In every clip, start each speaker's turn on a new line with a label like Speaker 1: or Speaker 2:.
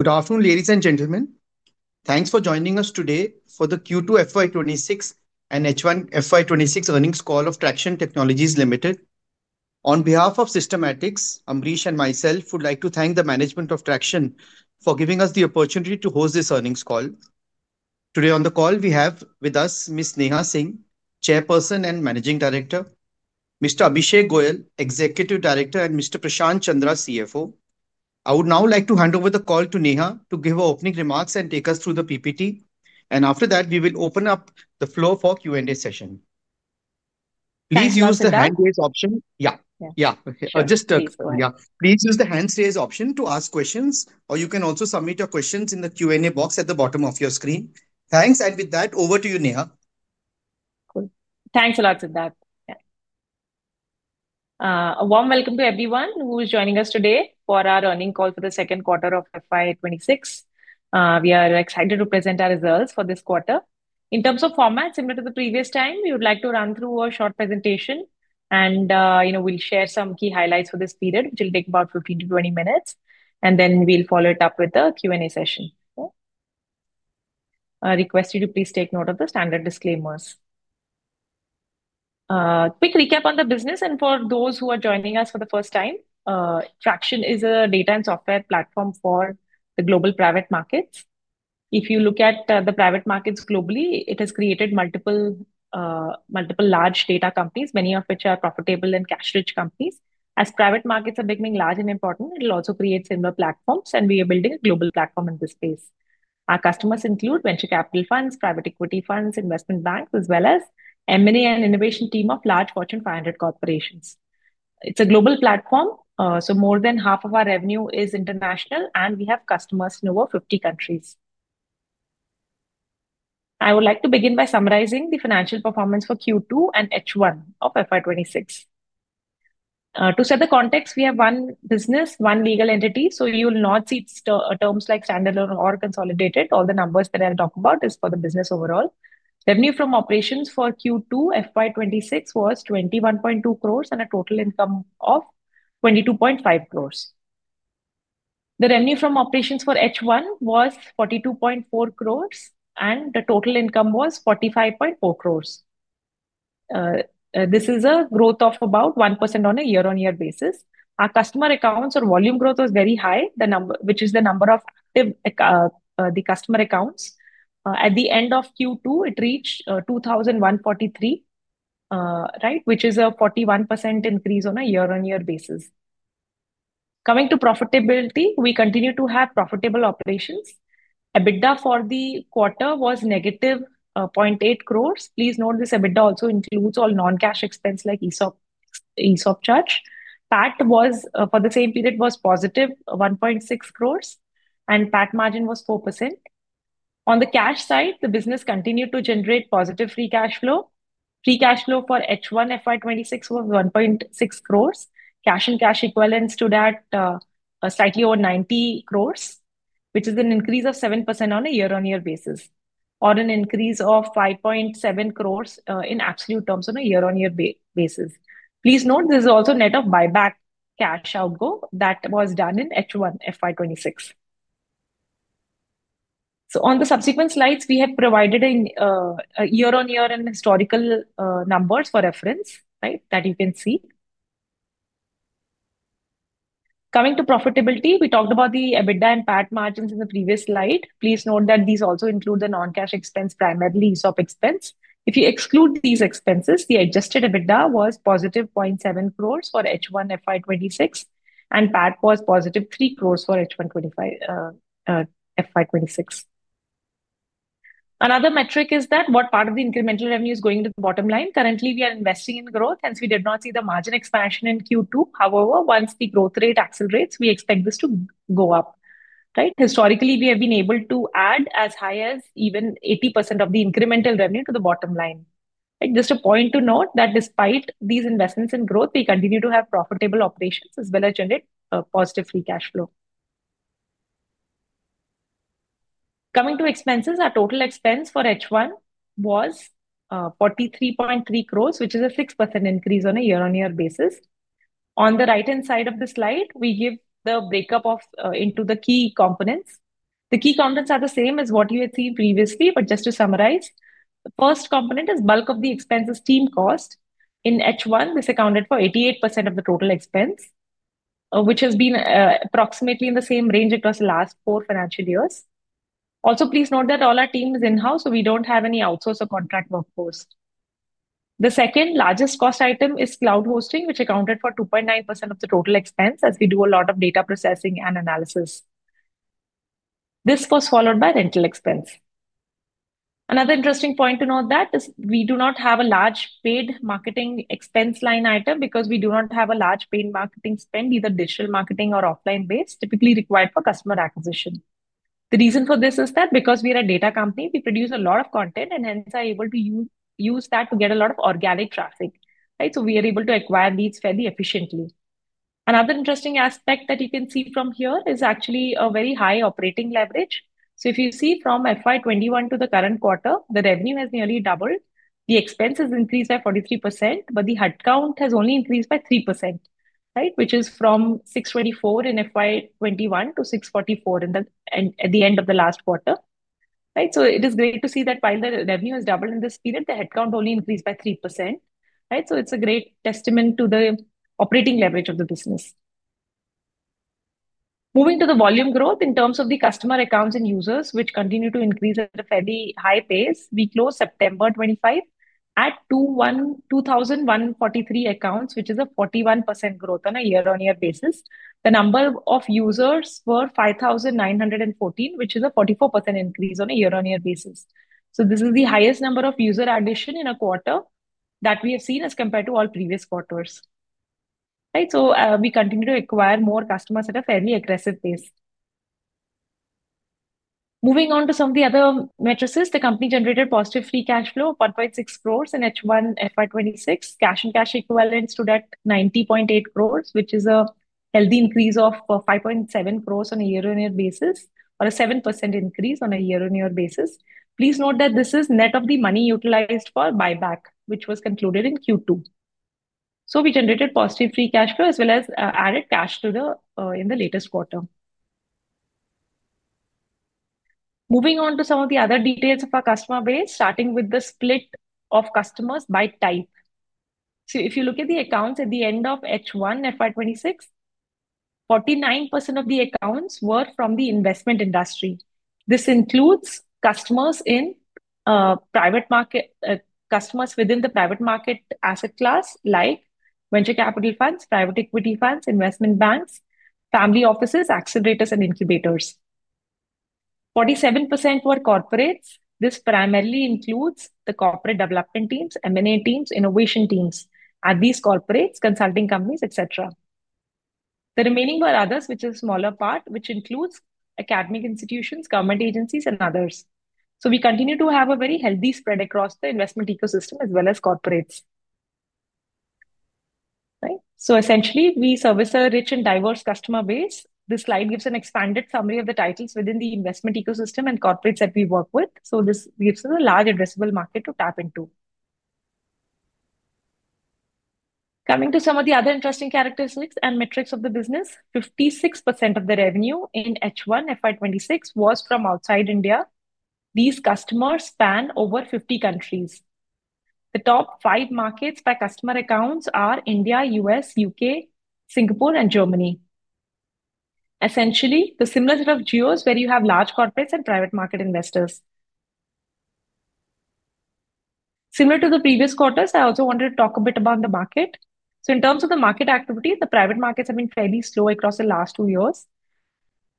Speaker 1: Good afternoon, ladies and gentlemen. Thanks for joining us today for the Q2 FY2026 and H1 FY2026 earnings call of Tracxn Technologies Limited. On behalf of Systematics, Ambrish and myself would like to thank the management of Tracxn for giving us the opportunity to host this earnings call. Today on the call, we have with us Ms. Neha Singh, Chairperson and Managing Director, Mr. Abhishek Goyal, Executive Director, and Mr. Prashant Chandra, CFO. I would now like to hand over the call to Neha to give her opening remarks and take us through the PPT. After that, we will open up the floor for Q&A session. Please use the hand-raise option. Yeah. Yeah. Just, yeah. Please use the hand-raise option to ask questions, or you can also submit your questions in the Q&A box at the bottom of your screen. Thanks. With that, over to you, Neha.
Speaker 2: Thanks a lot for that. Yeah. A warm welcome to everyone who is joining us today for our earning call for the second quarter of FY2026. We are excited to present our results for this quarter. In terms of format, similar to the previous time, we would like to run through a short presentation, and we'll share some key highlights for this period, which will take about 15-20 minutes. We will follow it up with the Q&A session. Okay? I request you to please take note of the standard disclaimers. Quick recap on the business. And for those who are joining us for the first time, Tracxn is a data and software platform for the global private markets. If you look at the private markets globally, it has created multiple large data companies, many of which are profitable and cash-rich companies. As private markets are becoming large and important, it will also create similar platforms, and we are building a global platform in this space. Our customers include venture capital funds, private equity funds, investment banks, as well as M&A and innovation team of large Fortune 500 corporations. It is a global platform, so more than half of our revenue is international, and we have customers in over 50 countries. I would like to begin by summarizing the financial performance for Q2 and H1 of FY2026. To set the context, we have one business, one legal entity, so you will not see terms like standalone or consolidated. All the numbers that I will talk about are for the business overall. Revenue from operations for Q2 FY2026 was 21.2 crores and a total income of 22.5 crores. The revenue from operations for H1 was 42.4 crores, and the total income was 45.4 crores. This is a growth of about 1% on a year-on-year basis. Our customer accounts or volume growth was very high, which is the number of customer accounts. At the end of Q2, it reached 2,143, which is a 41% increase on a year-on-year basis. Coming to profitability, we continue to have profitable operations. EBITDA for the quarter was -0.8 crores. Please note this EBITDA also includes all non-cash expense like ESOP charge. PAT for the same period was positive, 1.6 crores, and PAT margin was 4%. On the cash side, the business continued to generate positive free cash flow. Free cash flow for H1 FY2026 was 1.6 crores. Cash and cash equivalents stood at slightly over 90 crores, which is an increase of 7% on a year-on-year basis, or an increase of 5.7 crores in absolute terms on a year-on-year basis. Please note this is also net of buyback cash outgo that was done in H1 FY2026. On the subsequent slides, we have provided year-on-year and historical numbers for reference, right, that you can see. Coming to profitability, we talked about the EBITDA and PAT margins in the previous slide. Please note that these also include the non-cash expense, primarily ESOP expense. If you exclude these expenses, the adjusted EBITDA was positive 0.7 crores for H1 FY2026, and PAT was positive 3 crores for H1 FY2026. Another metric is that what part of the incremental revenue is going to the bottom line? Currently, we are investing in growth, hence we did not see the margin expansion in Q2. However, once the growth rate accelerates, we expect this to go up, right? Historically, we have been able to add as high as even 80% of the incremental revenue to the bottom line. Right? Just a point to note that despite these investments in growth, we continue to have profitable operations as well as generate positive free cash flow. Coming to expenses, our total expense for H1 was 43.3 crores, which is a 6% increase on a year-on-year basis. On the right-hand side of the slide, we give the breakup into the key components. The key components are the same as what you had seen previously, but just to summarize, the first component is bulk of the expenses team cost. In H1, this accounted for 88% of the total expense, which has been approximately in the same range across the last four financial years. Also, please note that all our team is in-house, so we do not have any outsource or contract workforce. The second largest cost item is cloud hosting, which accounted for 2.9% of the total expense, as we do a lot of data processing and analysis. This was followed by rental expense. Another interesting point to note is that we do not have a large paid marketing expense line item because we do not have a large paid marketing spend, either digital marketing or offline-based, typically required for customer acquisition. The reason for this is that because we are a data company, we produce a lot of content and hence are able to use that to get a lot of organic traffic. Right? So we are able to acquire leads fairly efficiently. Another interesting aspect that you can see from here is actually a very high operating leverage. If you see from FY2021 to the current quarter, the revenue has nearly doubled. The expense has increased by 43%, but the headcount has only increased by 3%, right, which is from 624 in FY2021 to 644 at the end of the last quarter. Right? It is great to see that while the revenue has doubled in this period, the headcount only increased by 3%. Right? It is a great testament to the operating leverage of the business. Moving to the volume growth, in terms of the customer accounts and users, which continue to increase at a fairly high pace, we closed September 25 at 2,143 accounts, which is a 41% growth on a year-on-year basis. The number of users were 5,914, which is a 44% increase on a year-on-year basis. This is the highest number of user addition in a quarter that we have seen as compared to all previous quarters. Right? We continue to acquire more customers at a fairly aggressive pace. Moving on to some of the other metrics, the company generated positive free cash flow of 1.6 crores in H1 FY2026. Cash and cash equivalents stood at 90.8 crores, which is a healthy increase of 5.7 crores on a year-on-year basis, or a 7% increase on a year-on-year basis. Please note that this is net of the money utilized for buyback, which was concluded in Q2. We generated positive free cash flow as well as added cash in the latest quarter. Moving on to some of the other details of our customer base, starting with the split of customers by type. If you look at the accounts at the end of H1 FY2026, 49% of the accounts were from the investment industry. This includes customers in private market. Customers within the private market asset class, like venture capital funds, private equity funds, investment banks, family offices, accelerators, and incubators. 47% were corporates. This primarily includes the corporate development teams, M&A teams, innovation teams, and these corporates, consulting companies, etc. The remaining were others, which is a smaller part, which includes academic institutions, government agencies, and others. We continue to have a very healthy spread across the investment ecosystem as well as corporates. Right? Essentially, we service a rich and diverse customer base. This slide gives an expanded summary of the titles within the investment ecosystem and corporates that we work with. This gives us a large addressable market to tap into. Coming to some of the other interesting characteristics and metrics of the business, 56% of the revenue in H1 FY2026 was from outside India. These customers span over 50 countries. The top five markets by customer accounts are India, U.S., U.K., Singapore, and Germany. Essentially, the similar set of geos where you have large corporates and private market investors. Similar to the previous quarters, I also wanted to talk a bit about the market. In terms of the market activity, the private markets have been fairly slow across the last two years.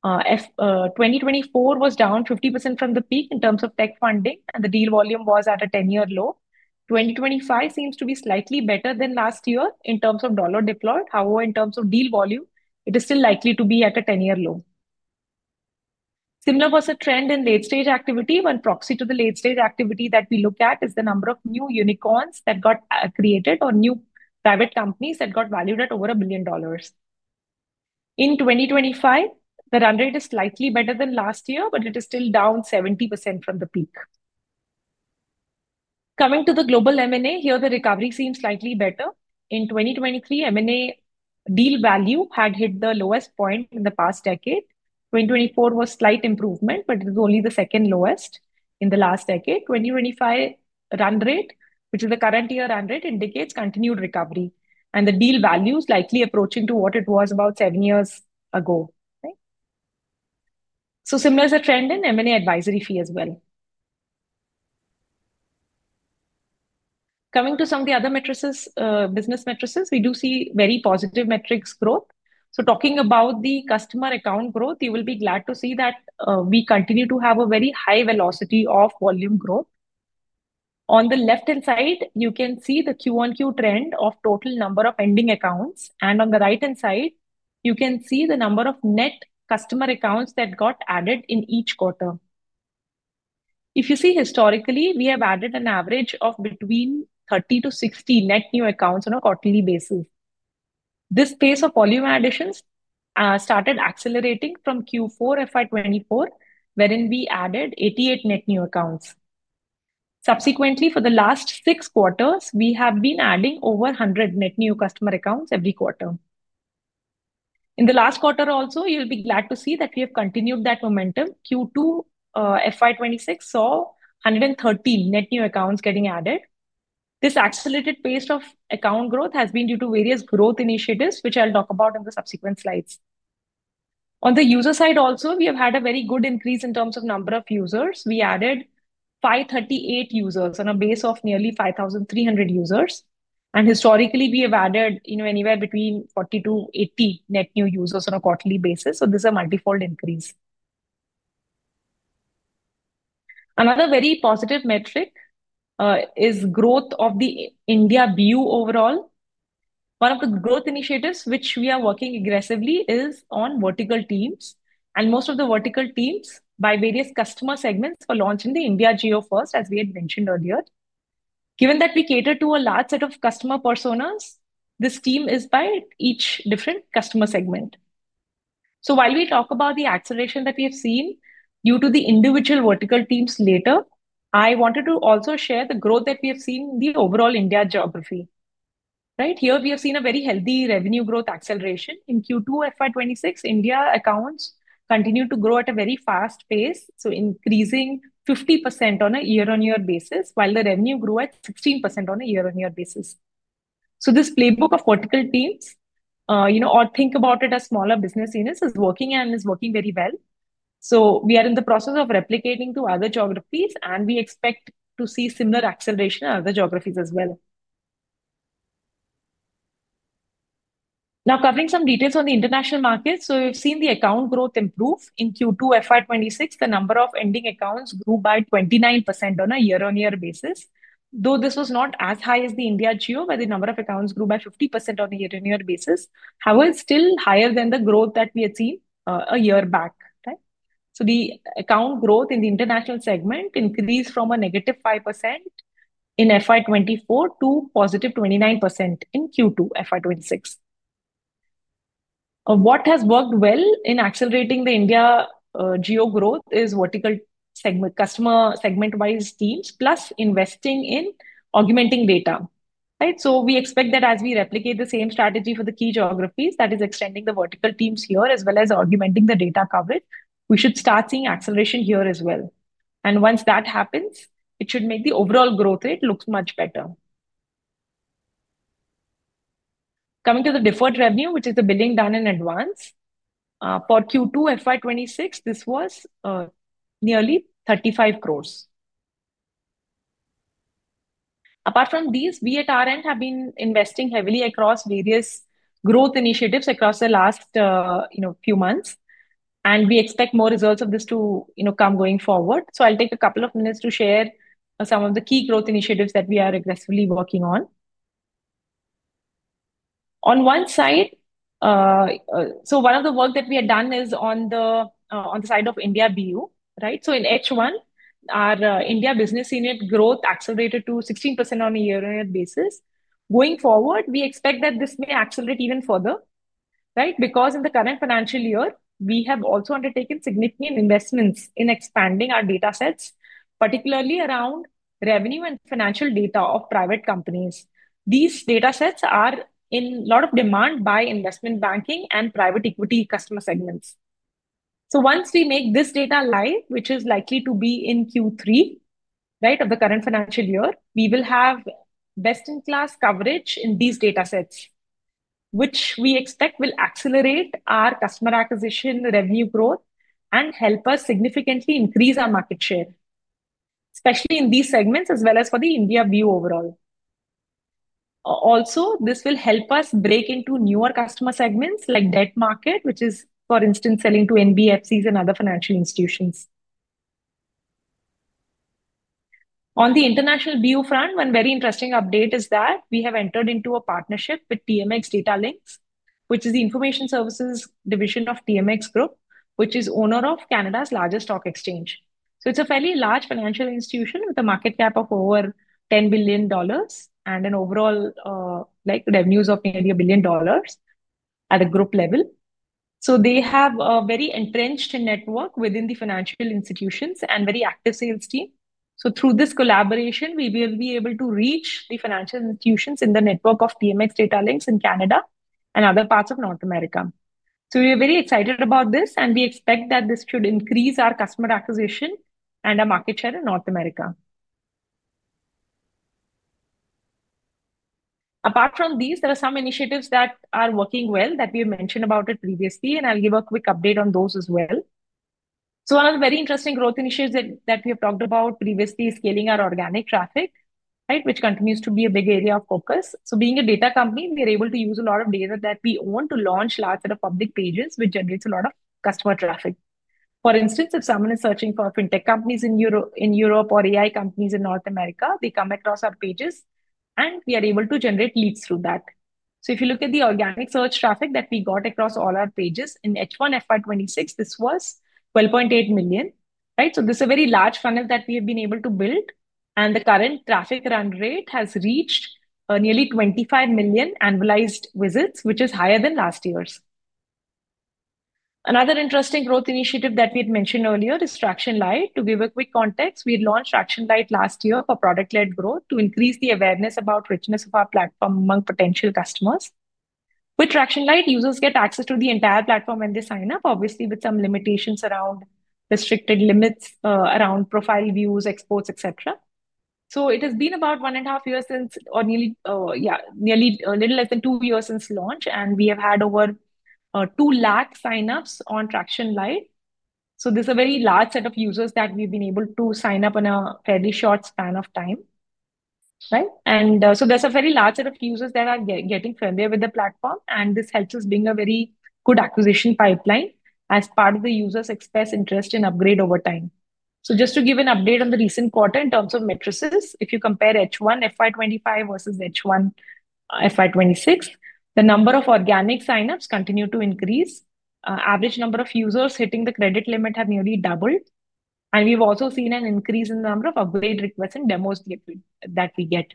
Speaker 2: 2024 was down 50% from the peak in terms of tech funding, and the deal volume was at a 10-year low. 2025 seems to be slightly better than last year in terms of dollar deployed. However, in terms of deal volume, it is still likely to be at a 10-year low. Similar was a trend in late-stage activity. One proxy to the late-stage activity that we look at is the number of new unicorns that got created or new private companies that got valued at over $1 billion. In 2025, the run rate is slightly better than last year, but it is still down 70% from the peak. Coming to the global M&A, here the recovery seems slightly better. In 2023, M&A deal value had hit the lowest point in the past decade. 2024 was a slight improvement, but it was only the second lowest in the last decade. 2025 run rate, which is the current year run rate, indicates continued recovery, and the deal value is likely approaching to what it was about seven years ago. Right? Similar is a trend in M&A advisory fee as well. Coming to some of the other business metrics, we do see very positive metrics growth. Talking about the customer account growth, you will be glad to see that we continue to have a very high velocity of volume growth. On the left-hand side, you can see the Q on Q trend of total number of ending accounts. On the right-hand side, you can see the number of net customer accounts that got added in each quarter. If you see, historically, we have added an average of between 30-60 net new accounts on a quarterly basis. This pace of volume additions started accelerating from Q4 FY2024, wherein we added 88 net new accounts. Subsequently, for the last six quarters, we have been adding over 100 net new customer accounts every quarter. In the last quarter also, you will be glad to see that we have continued that momentum. Q2 FY2026 saw 113 net new accounts getting added. This accelerated pace of account growth has been due to various growth initiatives, which I'll talk about in the subsequent slides. On the user side also, we have had a very good increase in terms of number of users. We added 538 users on a base of nearly 5,300 users. Historically, we have added anywhere between 40-80 net new users on a quarterly basis. This is a multi-fold increase. Another very positive metric is growth of the India BU overall. One of the growth initiatives which we are working aggressively on is on vertical teams. Most of the vertical teams by various customer segments were launched in the India GO first, as we had mentioned earlier. Given that we cater to a large set of customer personas, this team is by each different customer segment. While we talk about the acceleration that we have seen due to the individual vertical teams later, I wanted to also share the growth that we have seen in the overall India geography. Right? Here we have seen a very healthy revenue growth acceleration. In Q2 FY2026, India accounts continued to grow at a very fast pace, increasing 50% on a year-on-year basis, while the revenue grew at 16% on a year-on-year basis. This playbook of vertical teams, or think about it as smaller business units, is working and is working very well. We are in the process of replicating to other geographies, and we expect to see similar acceleration in other geographies as well. Now, covering some details on the international market. We have seen the account growth improve. In Q2 FY2026, the number of ending accounts grew by 29% on a year-on-year basis. Though this was not as high as the India GO, where the number of accounts grew by 50% on a year-on-year basis, however, it is still higher than the growth that we had seen a year back. Right? The account growth in the international segment increased from a -5% in FY2024 to +29% in Q2 FY2026. What has worked well in accelerating the India GO growth is vertical segment customer segment-wise teams, plus investing in augmenting data. Right? We expect that as we replicate the same strategy for the key geographies, that is, extending the vertical teams here as well as augmenting the data coverage, we should start seeing acceleration here as well. Once that happens, it should make the overall growth rate look much better. Coming to the deferred revenue, which is the billing done in advance, for Q2 FY2026, this was nearly INR 35 crores. Apart from these, we at R&D have been investing heavily across various growth initiatives across the last few months. We expect more results of this to come going forward. I'll take a couple of minutes to share some of the key growth initiatives that we are aggressively working on. On one side, one of the work that we had done is on the side of India BU. Right? In H1, our India business unit growth accelerated to 16% on a year-on-year basis. Going forward, we expect that this may accelerate even further. Right? In the current financial year, we have also undertaken significant investments in expanding our data sets, particularly around revenue and financial data of private companies. These data sets are in a lot of demand by investment banking and private equity customer segments. Once we make this data live, which is likely to be in Q3 of the current financial year, we will have best-in-class coverage in these data sets, which we expect will accelerate our customer acquisition, revenue growth, and help us significantly increase our market share, especially in these segments as well as for the India BU overall. Also, this will help us break into newer customer segments like debt market, which is, for instance, selling to NBFCs and other financial institutions. On the international BU front, one very interesting update is that we have entered into a partnership with TMX Datalinkx, which is the information services division of TMX Group, which is the owner of Canada's largest stock exchange. It is a fairly large financial institution with a market cap of over $10 billion and an overall revenue of nearly $1 billion at a group level. They have a very entrenched network within the financial institutions and a very active sales team. Through this collaboration, we will be able to reach the financial institutions in the network of TMX Datalinkx in Canada and other parts of North America. We are very excited about this, and we expect that this should increase our customer acquisition and our market share in North America. Apart from these, there are some initiatives that are working well that we have mentioned about previously, and I'll give a quick update on those as well. One of the very interesting growth initiatives that we have talked about previously is scaling our organic traffic, right, which continues to be a big area of focus. Being a data company, we are able to use a lot of data that we own to launch a large set of public pages, which generates a lot of customer traffic. For instance, if someone is searching for fintech companies in Europe or AI companies in North America, they come across our pages, and we are able to generate leads through that. If you look at the organic search traffic that we got across all our pages in H1 FY2026, this was 12.8 million. This is a very large funnel that we have been able to build. The current traffic run rate has reached nearly 25 million annualized visits, which is higher than last year's. Another interesting growth initiative that we had mentioned earlier is Tracxn Lite. To give a quick context, we launched Tracxn Lite last year for product-led growth to increase the awareness about the richness of our platform among potential customers. With Tracxn Lite, users get access to the entire platform when they sign up, obviously with some limitations around. Restricted limits around profile views, exports, etc. It has been about one and a half years since, or nearly, a little less than two years since launch, and we have had over 200,000 signups on Tracxn Lite. There is a very large set of users that we have been able to sign up in a fairly short span of time, right? There is a very large set of users that are getting familiar with the platform, and this helps us bring a very good acquisition pipeline as part of the users express interest in upgrade over time. Just to give an update on the recent quarter in terms of metrics, if you compare H1 FY2025 versus H1 FY2026, the number of organic signups continued to increase. The average number of users hitting the credit limit has nearly doubled. We have also seen an increase in the number of upgrade requests and demos that we get.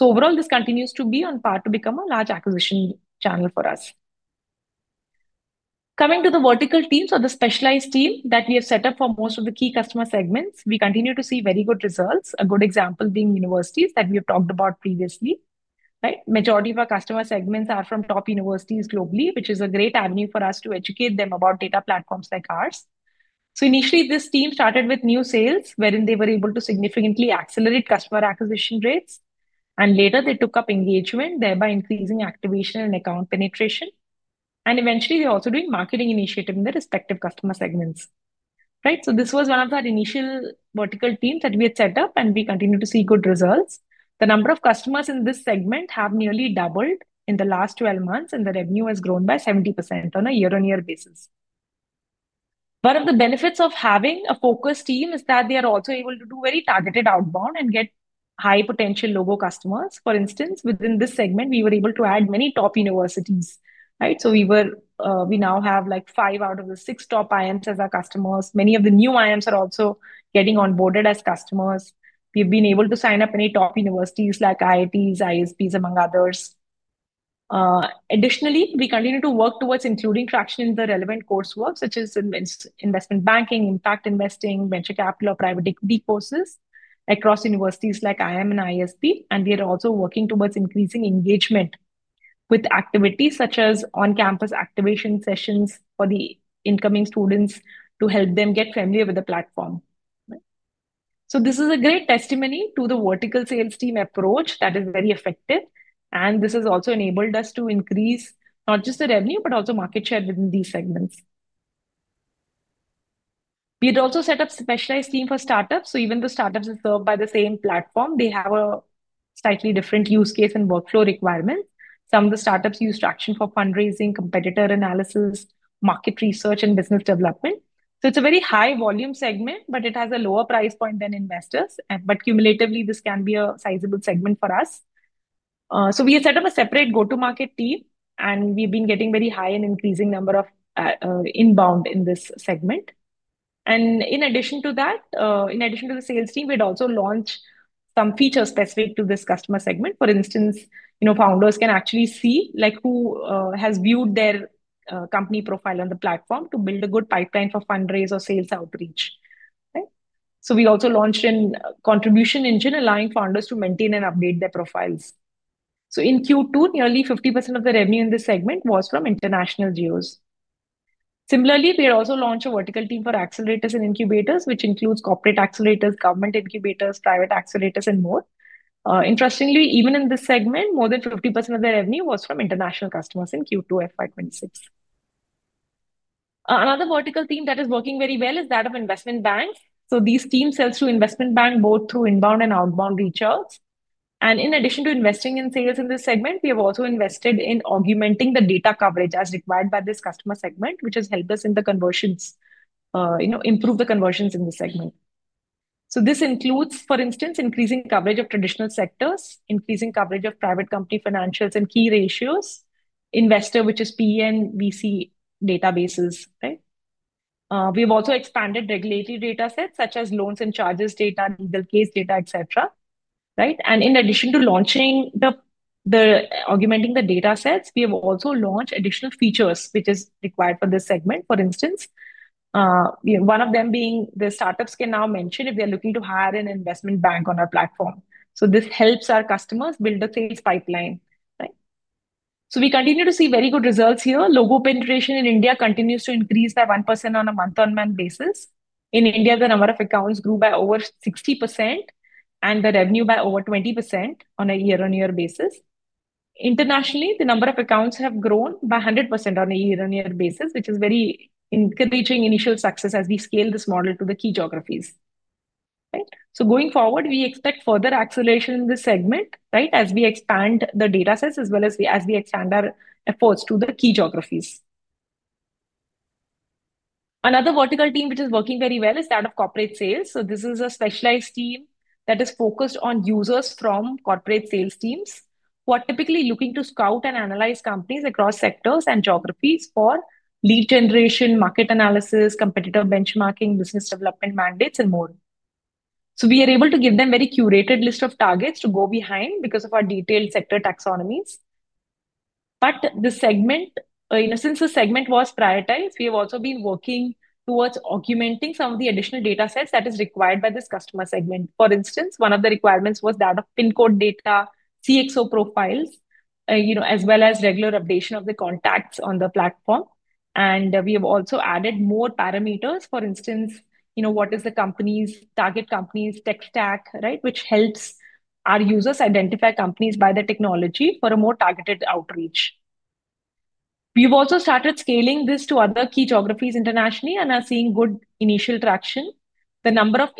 Speaker 2: Overall, this continues to be on par to become a large acquisition channel for us. Coming to the vertical team, the specialized team that we have set up for most of the key customer segments, we continue to see very good results, a good example being universities that we have talked about previously. The majority of our customer segments are from top universities globally, which is a great avenue for us to educate them about data platforms like ours. Initially, this team started with new sales, wherein they were able to significantly accelerate customer acquisition rates. Later, they took up engagement, thereby increasing activation and account penetration. Eventually, they're also doing marketing initiatives in their respective customer segments. Right? This was one of the initial vertical teams that we had set up, and we continue to see good results. The number of customers in this segment has nearly doubled in the last 12 months, and the revenue has grown by 70% on a year-on-year basis. One of the benefits of having a focused team is that they are also able to do very targeted outbound and get high-potential logo customers. For instance, within this segment, we were able to add many top universities. Right? We now have like five out of the six top IAMs as our customers. Many of the new IAMs are also getting onboarded as customers. We've been able to sign up many top universities like IITs, ISPs, among others. Additionally, we continue to work towards including Tracxn in the relevant coursework, such as investment banking, impact investing, venture capital, or private equity courses across universities like IAM and ISP. We are also working towards increasing engagement with activities such as on-campus activation sessions for the incoming students to help them get familiar with the platform. Right? This is a great testimony to the vertical sales team approach that is very effective. This has also enabled us to increase not just the revenue, but also market share within these segments. We had also set up a specialized team for startups. Even though startups are served by the same platform, they have a slightly different use case and workflow requirements. Some of the startups use Tracxn for fundraising, competitor analysis, market research, and business development. It is a very high-volume segment, but it has a lower price point than investors. Cumulatively, this can be a sizable segment for us. We had set up a separate go-to-market team, and we have been getting a very high and increasing number of inbound in this segment. In addition to that, in addition to the sales team, we had also launched some features specific to this customer segment. For instance, founders can actually see who has viewed their company profile on the platform to build a good pipeline for fundraise or sales outreach. We also launched a contribution engine allowing founders to maintain and update their profiles. In Q2, nearly 50% of the revenue in this segment was from international geos. Similarly, we had also launched a vertical team for accelerators and incubators, which includes corporate accelerators, government incubators, private accelerators, and more. Interestingly, even in this segment, more than 50% of the revenue was from international customers in Q2 FY2026. Another vertical team that is working very well is that of investment banks. This team sells through investment banks both through inbound and outbound reach-outs. In addition to investing in sales in this segment, we have also invested in augmenting the data coverage as required by this customer segment, which has helped us in the conversions, improve the conversions in the segment. This includes, for instance, increasing coverage of traditional sectors, increasing coverage of private company financials and key ratios, investor, which is PNVC databases. Right? We have also expanded regulatory data sets such as loans and charges data, legal case data, etc. Right? In addition to launching, augmenting the data sets, we have also launched additional features, which are required for this segment. For instance, one of them being the startups can now mention if they're looking to hire an investment bank on our platform. This helps our customers build a sales pipeline. Right? We continue to see very good results here. Logo penetration in India continues to increase by 1% on a month-on-month basis. In India, the number of accounts grew by over 60%, and the revenue by over 20% on a year-on-year basis. Internationally, the number of accounts have grown by 100% on a year-on-year basis, which is very encouraging initial success as we scale this model to the key geographies. Right? Going forward, we expect further acceleration in this segment, right, as we expand the data sets as well as we expand our efforts to the key geographies. Another vertical team which is working very well is that of corporate sales. This is a specialized team that is focused on users from corporate sales teams, who are typically looking to scout and analyze companies across sectors and geographies for lead generation, market analysis, competitor benchmarking, business development mandates, and more. We are able to give them a very curated list of targets to go behind because of our detailed sector taxonomies. The segment, in a sense the segment was prioritized, we have also been working towards augmenting some of the additional data sets that are required by this customer segment. For instance, one of the requirements was that of pin code data, CXO profiles. As well as regular updation of the contacts on the platform. We have also added more parameters, for instance, what is the company's target companies, tech stack, right, which helps our users identify companies by the technology for a more targeted outreach. We have also started scaling this to other key geographies internationally and are seeing good initial traction. The number of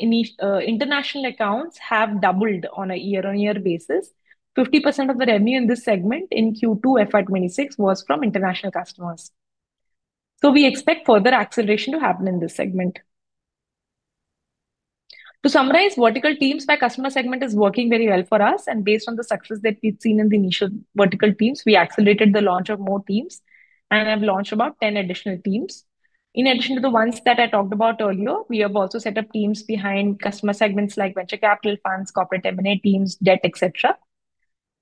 Speaker 2: international accounts has doubled on a year-on-year basis. 50% of the revenue in this segment in Q2 FY2026 was from international customers. We expect further acceleration to happen in this segment. To summarize, vertical teams by customer segment is working very well for us. Based on the success that we have seen in the initial vertical teams, we accelerated the launch of more teams and have launched about 10 additional teams. In addition to the ones that I talked about earlier, we have also set up teams behind customer segments like venture capital funds, corporate M&A teams, debt, etc.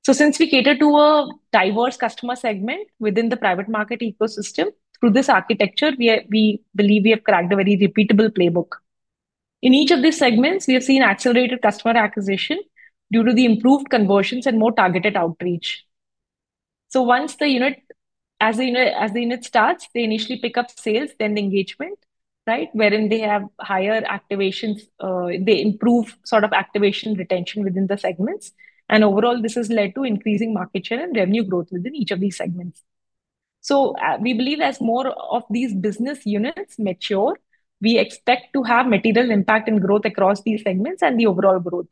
Speaker 2: Since we cater to a diverse customer segment within the private market ecosystem, through this architecture, we believe we have cracked a very repeatable playbook. In each of these segments, we have seen accelerated customer acquisition due to the improved conversions and more targeted outreach. Once the unit starts, they initially pick up sales, then the engagement, right, wherein they have higher activations, they improve sort of activation retention within the segments. Overall, this has led to increasing market share and revenue growth within each of these segments. We believe as more of these business units mature, we expect to have material impact and growth across these segments and the overall growth.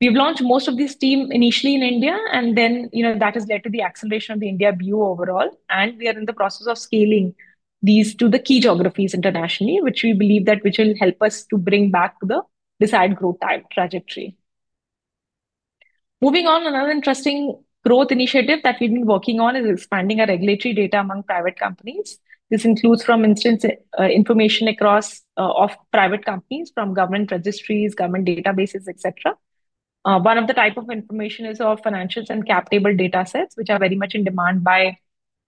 Speaker 2: We've launched most of these teams initially in India, and that has led to the acceleration of the India BU overall. We are in the process of scaling these to the key geographies internationally, which we believe will help us to bring back the desired growth trajectory. Moving on, another interesting growth initiative that we've been working on is expanding our regulatory data among private companies. This includes, for instance, information across private companies from government registries, government databases, etc. One of the types of information is our financials and cap table data sets, which are very much in demand by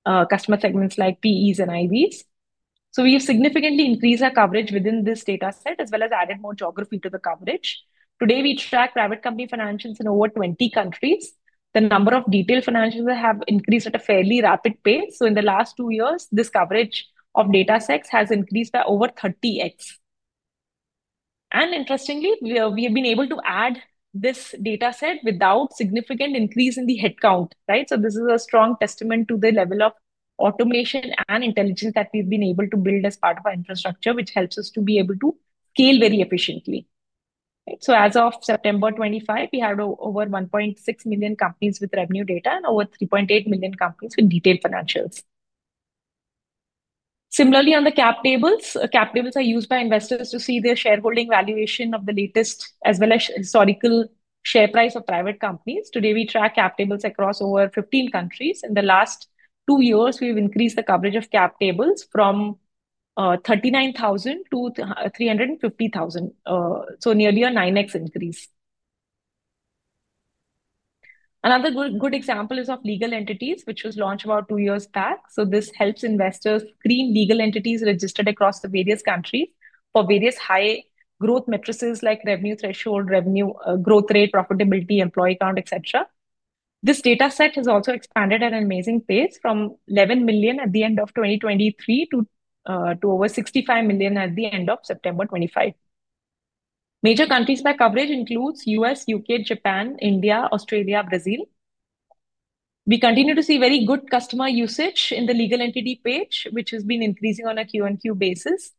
Speaker 2: customer segments like PEs and IVs. We have significantly increased our coverage within this data set as well as added more geography to the coverage. Today, we track private company financials in over 20 countries. The number of detailed financials has increased at a fairly rapid pace. In the last two years, this coverage of data sets has increased by over 30x. Interestingly, we have been able to add this data set without a significant increase in the headcount, right? This is a strong testament to the level of automation and intelligence that we've been able to build as part of our infrastructure, which helps us to be able to scale very efficiently. As of September 25, we had over 1.6 million companies with revenue data and over 3.8 million companies with detailed financials. Similarly, on the cap tables, cap tables are used by investors to see their shareholding valuation of the latest as well as historical share price of private companies. Today, we track cap tables across over 15 countries. In the last two years, we've increased the coverage of cap tables from 39,000 to 350,000, so nearly a 9x increase. Another good example is of legal entities, which was launched about two years back. This helps investors screen legal entities registered across the various countries for various high-growth matrices like revenue threshold, revenue growth rate, profitability, employee count, etc. This data set has also expanded at an amazing pace from 11 million at the end of 2023 to over 65 million at the end of September 2025. Major countries by coverage include U.S., U.K., Japan, India, Australia, Brazil. We continue to see very good customer usage in the legal entity page, which has been increasing on a Q on Q basis.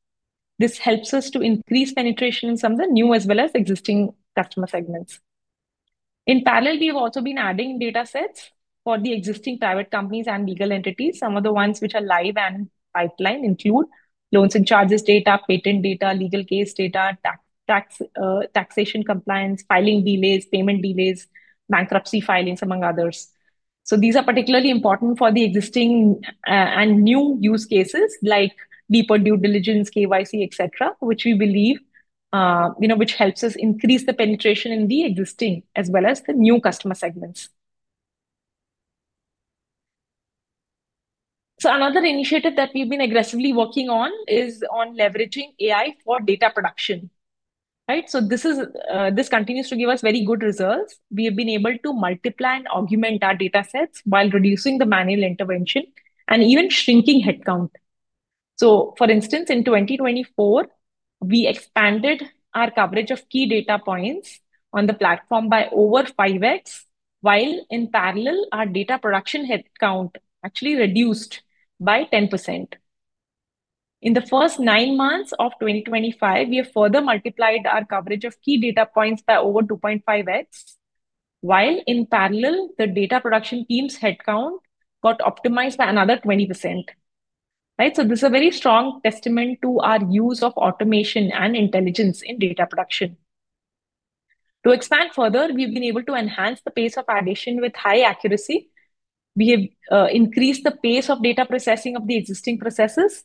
Speaker 2: This helps us to increase penetration in some of the new as well as existing customer segments. In parallel, we have also been adding data sets for the existing private companies and legal entities. Some of the ones which are live and pipeline include loans and charges data, patent data, legal case data, taxation compliance, filing delays, payment delays, bankruptcy filings, among others. These are particularly important for the existing and new use cases like deeper due diligence, KYC, etc., which we believe help us increase the penetration in the existing as well as the new customer segments. Another initiative that we've been aggressively working on is leveraging AI for data production, right? This continues to give us very good results. We have been able to multiply and augment our data sets while reducing the manual intervention and even shrinking headcount. For instance, in 2024, we expanded our coverage of key data points on the platform by over 5x, while in parallel, our data production headcount actually reduced by 10%. In the first nine months of 2025, we have further multiplied our coverage of key data points by over 2.5x, while in parallel, the data production teams' headcount got optimized by another 20%. Right? This is a very strong testament to our use of automation and intelligence in data production. To expand further, we've been able to enhance the pace of addition with high accuracy. We have increased the pace of data processing of the existing processes.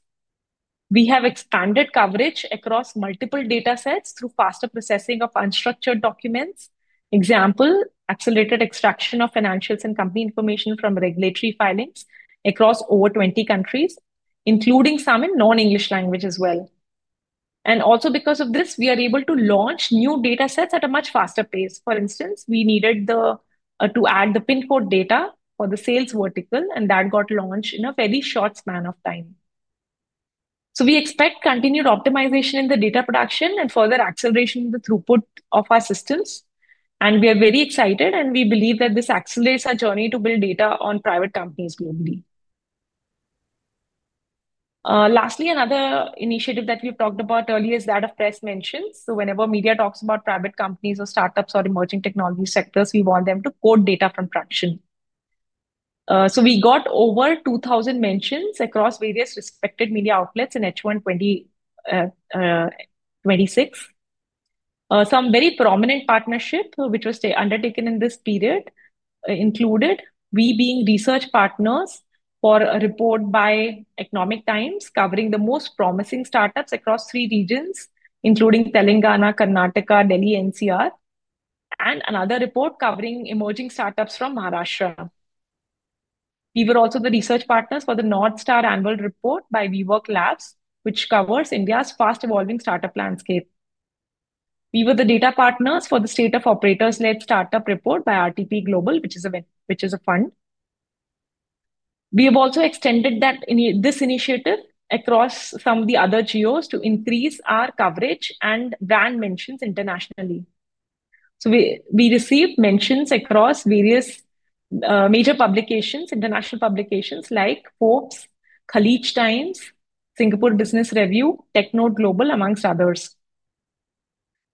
Speaker 2: We have expanded coverage across multiple data sets through faster processing of unstructured documents. Example, accelerated extraction of financials and company information from regulatory filings across over 20 countries, including some in non-English language as well. Also because of this, we are able to launch new data sets at a much faster pace. For instance, we needed to add the pin code data for the sales vertical, and that got launched in a very short span of time. We expect continued optimization in the data production and further acceleration in the throughput of our systems. We are very excited, and we believe that this accelerates our journey to build data on private companies globally. Lastly, another initiative that we've talked about earlier is that of press mentions. Whenever media talks about private companies or startups or emerging technology sectors, we want them to quote data from Tracxn. We got over 2,000 mentions across various respected media outlets in H1 2026. Some very prominent partnerships were undertaken in this period. Included we being research partners for a report by Economic Times covering the most promising startups across three regions, including Telangana, Karnataka, Delhi NCR, and another report covering emerging startups from Maharashtra. We were also the research partners for the North Star Annual Report by WeWork Labs, which covers India's fast-evolving startup landscape. We were the data partners for the state-of-operators-led startup report by RTP Global, which is a fund. We have also extended this initiative across some of the other GOs to increase our coverage and brand mentions internationally. We received mentions across various major publications, international publications like Forbes, Khaleej Times, Singapore Business Review, TechNode Global, amongst others.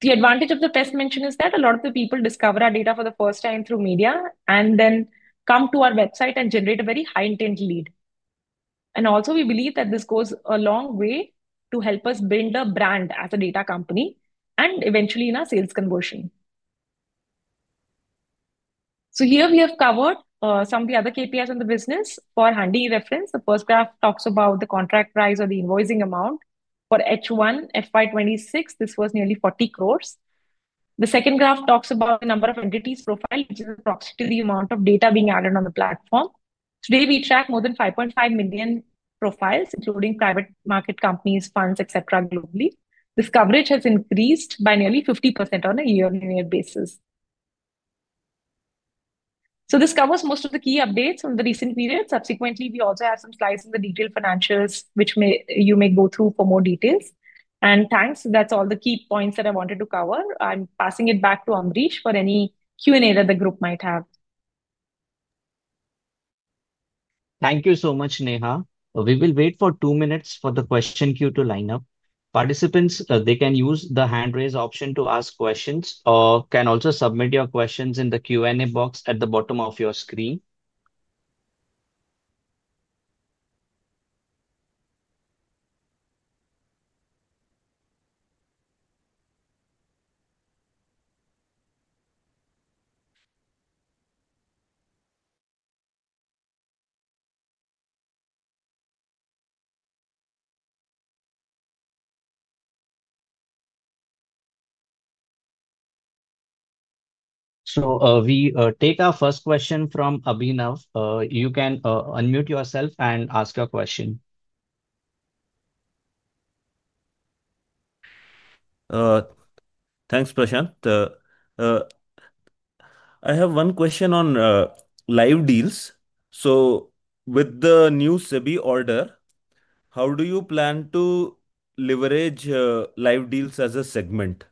Speaker 2: The advantage of the press mention is that a lot of the people discover our data for the first time through media and then come to our website and generate a very high-intent lead. We believe that this goes a long way to help us build a brand as a data company and eventually in our sales conversion. Here we have covered some of the other KPIs in the business for handy reference. The first graph talks about the contract price or the invoicing amount. For H1 FY2026, this was nearly 40 crores. The second graph talks about the number of entities profiled, which is approximately the amount of data being added on the platform. Today, we track more than 5.5 million profiles, including private market companies, funds, etc., globally. This coverage has increased by nearly 50% on a year-on-year basis. This covers most of the key updates from the recent period. Subsequently, we also have some slides in the detailed financials, which you may go through for more details. Thanks. That's all the key points that I wanted to cover. I'm passing it back to Ambrish for any Q&A that the group might have.
Speaker 1: Thank you so much, Neha. We will wait for two minutes for the question queue to line up. Participants, they can use the hand-raise option to ask questions or can also submit your questions in the Q&A box at the bottom of your screen. We take our first question from Abhinav. You can unmute yourself and ask your question. Thanks, Prashant. I have one question on Live Deals. With the new SEBI order, how do you plan to leverage Live Deals as a segment?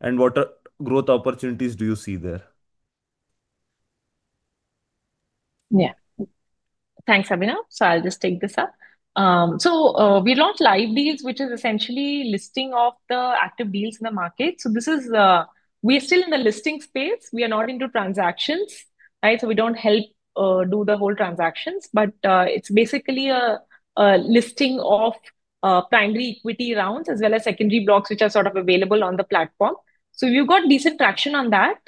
Speaker 1: What growth opportunities do you see there?
Speaker 2: Yeah. Thanks, Abhinav. I'll just take this up. We launched Live Deals, which is essentially a listing of the active deals in the market. This is, we're still in the listing space. We are not into transactions, right? We don't help do the whole transactions, but it's basically a listing of primary equity rounds as well as secondary blocks, which are sort of available on the platform. We've got decent traction on that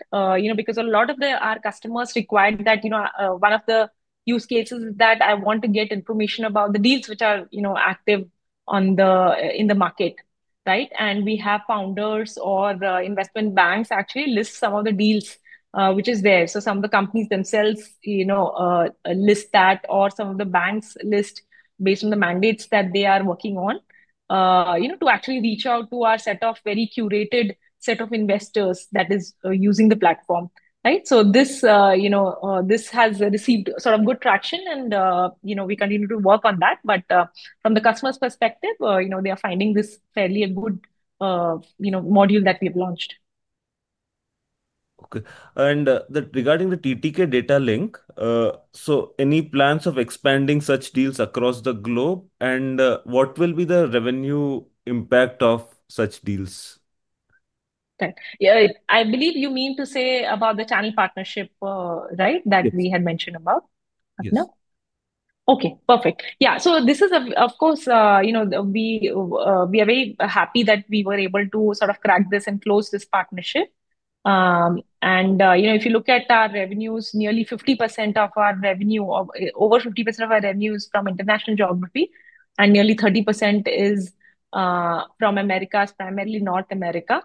Speaker 2: because a lot of our customers required that. One of the use cases is that I want to get information about the deals which are active in the market, right? We have founders or investment banks actually list some of the deals, which is there. Some of the companies themselves list that, or some of the banks list based on the mandates that they are working on to actually reach out to our set of very curated set of investors that is using the platform, right? This. Has received sort of good traction, and we continue to work on that. From the customer's perspective, they are finding this fairly a good module that we have launched. Okay. Regarding the TMX Datalinkx, any plans of expanding such deals across the globe? What will be the revenue impact of such deals? Yeah. I believe you mean to say about the channel partnership, right, that we had mentioned about? Yes. Okay. Perfect. Yeah. This is, of course, we are very happy that we were able to sort of crack this and close this partnership. If you look at our revenues, nearly 50% of our revenue, over 50% of our revenue is from international geography, and nearly 30% is from America, primarily North America,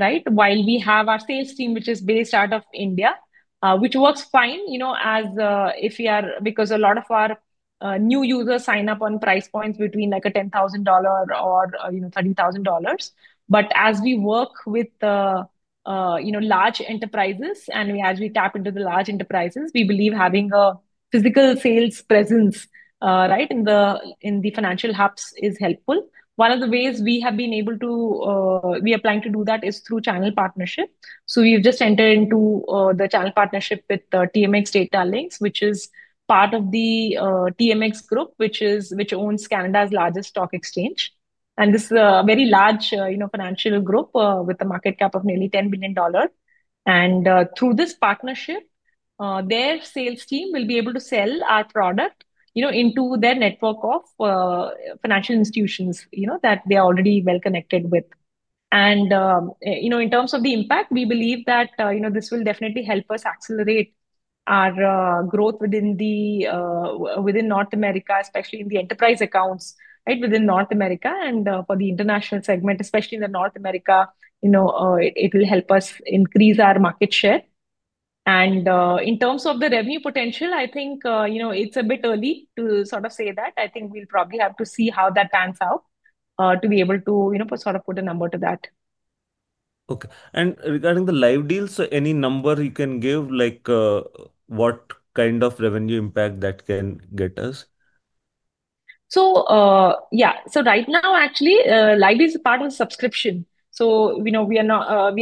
Speaker 2: right? While we have our sales team, which is based out of India, which works fine as if we are because a lot of our new users sign up on price points between like $10,000 or $30,000. As we work with large enterprises and as we tap into the large enterprises, we believe having a physical sales presence, right, in the financial hubs is helpful. One of the ways we have been able to, we are planning to do that is through channel partnership. We have just entered into the channel partnership with TMX Datalinkx, which is part of the TMX Group, which owns Canada's largest stock exchange. This is a very large financial group with a market cap of nearly $10 billion. Through this partnership, their sales team will be able to sell our product into their network of. Financial institutions that they are already well connected with. In terms of the impact, we believe that this will definitely help us accelerate our growth within North America, especially in the enterprise accounts, right, within North America. For the international segment, especially in North America, it will help us increase our market share. In terms of the revenue potential, I think it's a bit early to sort of say that. I think we'll probably have to see how that pans out to be able to sort of put a number to that. Okay. Regarding the Live Deals, any number you can give, like, what kind of revenue impact that can get us? Yeah. Right now, actually, Live Deals are part of a subscription. We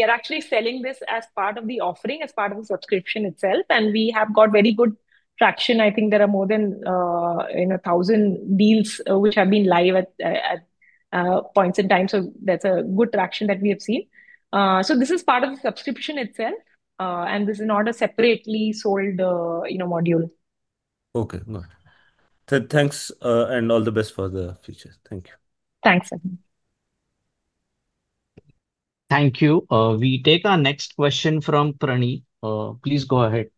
Speaker 2: are actually selling this as part of the offering, as part of the subscription itself. We have got very good traction. I think there are more than 1,000 deals which have been live at points in time. That is a good traction that we have seen. This is part of the subscription itself. This is not a separately sold module. Okay. Good. Thanks. All the best for the future. Thank you. Thanks, Abhinav.
Speaker 1: Thank you. We take our next question from Praneet. Please go ahead.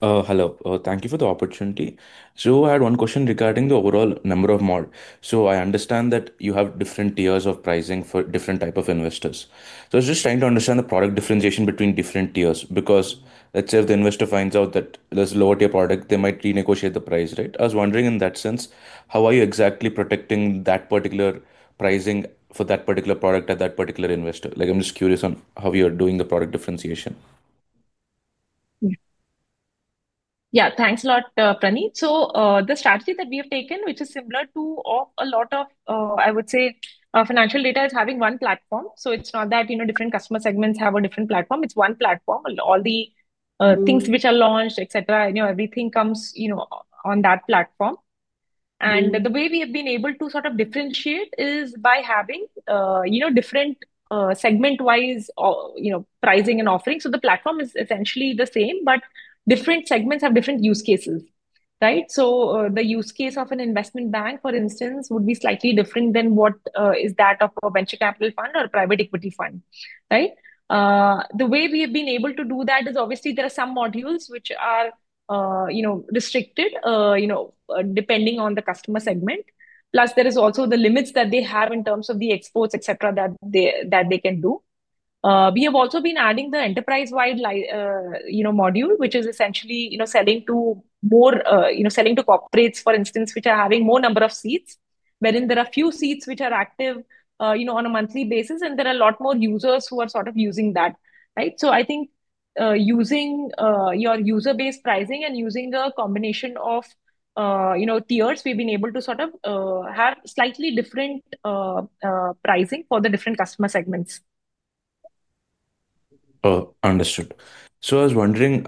Speaker 1: Hello. Thank you for the opportunity. I had one question regarding the overall number of mod. I understand that you have different tiers of pricing for different types of investors. I was just trying to understand the product differentiation between different tiers because let's say if the investor finds out that there is a lower-tier product, they might renegotiate the price, right? I was wondering in that sense, how are you exactly protecting that particular pricing for that particular product at that particular investor? Like, I'm just curious on how you are doing the product differentiation.
Speaker 2: Yeah. Thanks a lot, Praneet. The strategy that we have taken, which is similar to a lot of, I would say, financial data, is having one platform. It's not that different customer segments have a different platform. It's one platform. All the things which are launched, etc., everything comes on that platform. The way we have been able to sort of differentiate is by having different segment-wise pricing and offering. The platform is essentially the same, but different segments have different use cases, right? The use case of an investment bank, for instance, would be slightly different than what is that of a venture capital fund or a private equity fund, right? The way we have been able to do that is obviously there are some modules which are restricted depending on the customer segment. Plus, there are also the limits that they have in terms of the exports, etc., that they can do. We have also been adding the enterprise-wide module, which is essentially selling to more corporates, for instance, which are having more number of seats, wherein there are few seats which are active on a monthly basis, and there are a lot more users who are sort of using that, right? I think using your user-based pricing and using a combination of tiers, we have been able to sort of have slightly different pricing for the different customer segments. Understood. I was wondering.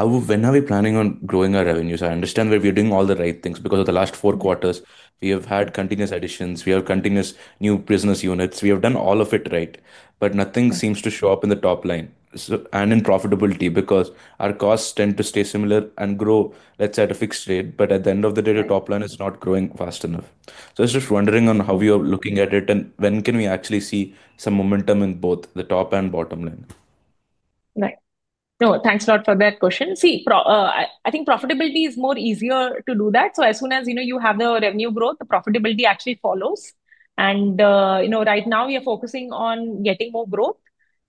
Speaker 2: When are we planning on growing our revenues? I understand that we are doing all the right things because of the last four quarters. We have had continuous additions. We have continuous new business units. We have done all of it right, but nothing seems to show up in the top line and in profitability because our costs tend to stay similar and grow, let's say, at a fixed rate, but at the end of the day, the top line is not growing fast enough. I was just wondering on how we are looking at it and when can we actually see some momentum in both the top and bottom line? Right. No, thanks a lot for that question. I think profitability is more easier to do that. As soon as you have the revenue growth, the profitability actually follows. And. Right now, we are focusing on getting more growth.